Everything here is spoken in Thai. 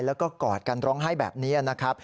แล้วก็กอดกันร้องไห้แบบนี้นะครับ